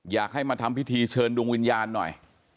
อยากให้มาทำพิธีเชิญดวงวิญญาณหน่อย